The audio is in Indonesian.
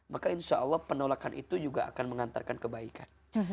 maka insya allah penolakan itu juga akan mengantarkan kebaikan